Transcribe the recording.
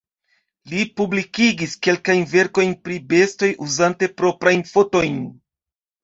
Li publikigis kelkajn verkojn pri bestoj uzante proprajn fotojn.